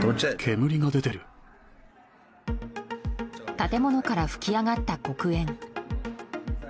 建物から噴き上がった黒煙。